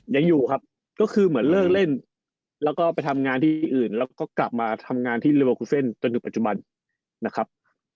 ยังอยู่ครับก็คือเหมือนเลิกเล่นแล้วก็ไปทำงานที่อื่นแล้วก็กลับมาทำงานที่เลโบคุเซ่นจนถึงปัจจุบันนะครับ